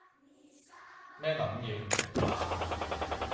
咩諗野唔食飯